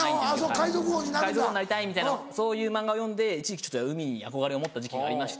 海賊王になりたいみたいなそういう漫画を読んで一時期ちょっと海に憧れを持った時期がありまして。